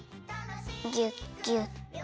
ぎゅっぎゅっ。